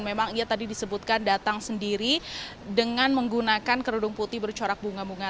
memang ia tadi disebutkan datang sendiri dengan menggunakan kerudung putih bercorak bunga bunga